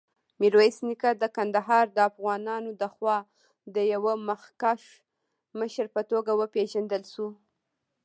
میرویس نیکه د کندهار دافغانانودخوا د یوه مخکښ مشر په توګه وپېژندل شو.